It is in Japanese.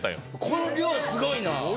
この量すごいな。